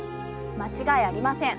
間違いありません。